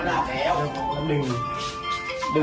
โอ้โหปั๊มหัวใจ